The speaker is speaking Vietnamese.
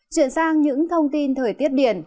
chuyển sang những thông tin thời tiết điển